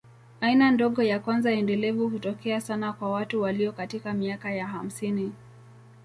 Aina ndogo ya kwanza endelevu hutokea sana kwa watu walio katika miaka ya hamsini.